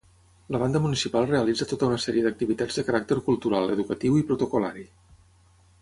La Banda Municipal realitza tota una sèrie d'activitats de caràcter cultural, educatiu i protocol·lari.